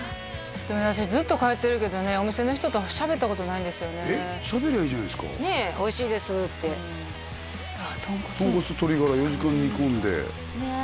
私ずっと通ってるけどねお店の人としゃべったことないんですよねしゃべりゃいいじゃないですかねえおいしいですってあっ豚骨なんや豚骨と鶏ガラ４時間煮込んでねえ